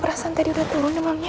perasaan tadi udah telur demamnya